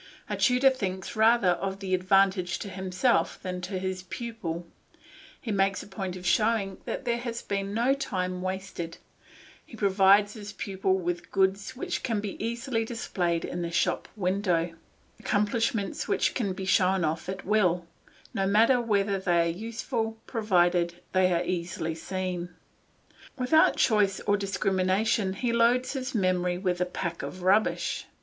A tutor thinks rather of the advantage to himself than to his pupil; he makes a point of showing that there has been no time wasted; he provides his pupil with goods which can be readily displayed in the shop window, accomplishments which can be shown off at will; no matter whether they are useful, provided they are easily seen. Without choice or discrimination he loads his memory with a pack of rubbish.